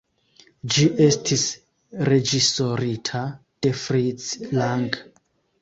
Ĝi estis reĝisorita de Fritz Lang.